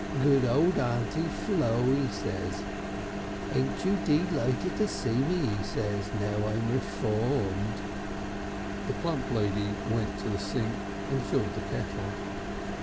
'Good old Aunty Flo,' he says, 'ain't you dee lighted to see me?' he says, 'now I'm Reformed.'" The plump lady went to the sink and filled the kettle.